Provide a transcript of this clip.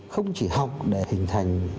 không chỉ học để hình thành